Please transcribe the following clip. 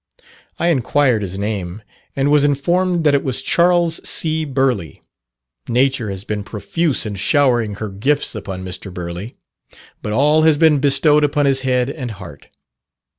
I inquired his name, and was informed that it was Charles C. Burleigh. Nature has been profuse in showering her gifts upon Mr. Burleigh, but all has been bestowed upon his head and heart.